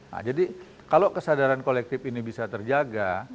nah jadi kalau kesadaran kolektif ini bisa terjaga